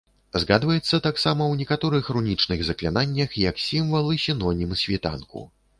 Згадваецца таксама ў некаторых рунічных заклінаннях як сімвал і сінонім світанку.